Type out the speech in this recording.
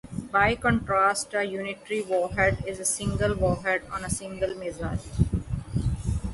By contrast, a unitary warhead is a single warhead on a single missile.